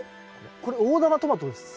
これ大玉トマトですか？